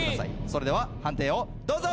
それでは判定をどうぞ。